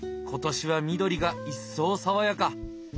今年は緑が一層爽やか。